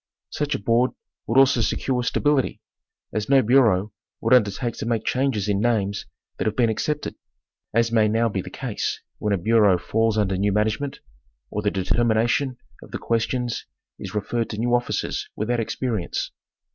Such a board would also secure stability, as no bureau would undertake to make changes in names that have been accepted, as may now be the case when a bureau falls under new management, or the determination of the questions is re ferred to new officers without experience.